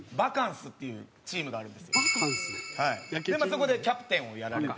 そこでキャプテンをやられてて。